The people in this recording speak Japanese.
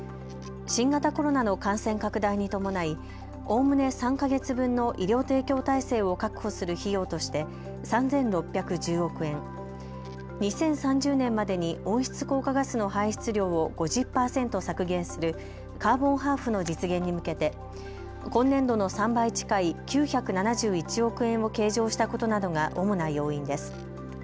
新型コロナの感染拡大に伴いおおむね３か月分の医療提供体制を確保する費用として３６１０億円、２０３０年までに温室効果ガスの排出量を５０％削減するカーボンハーフの実現に向けて今年度の３倍近い９７１億円を計上したことなどが主な要因です。